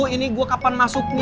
ini gue kapan masuknya